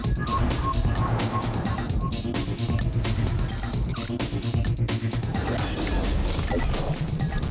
อีก